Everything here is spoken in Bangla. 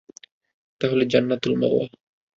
তাহলে জান্নাতুল মাওয়া।